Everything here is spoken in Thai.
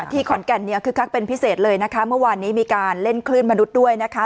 ขอนแก่นเนี่ยคึกคักเป็นพิเศษเลยนะคะเมื่อวานนี้มีการเล่นคลื่นมนุษย์ด้วยนะคะ